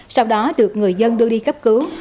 sau đó được người dân đưa đi cấp cứu